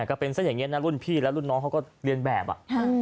ก็เป็นซะอย่างนี้นะรุ่นพี่แล้วรุ่นน้องเขาก็เรียนแบบอ่ะ